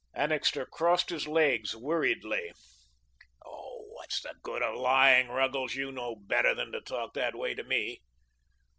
Annixter crossed his legs weariedly. "Oh, what's the good of lying, Ruggles? You know better than to talk that way to me."